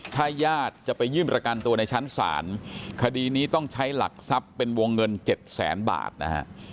ถ้าญาติจะไปยื่นประกันตัวในชั้นศาลคดีนี้ต้องใช้หลักทรัพย์เป็นวงเงิน๗แสนบาทนะฮะ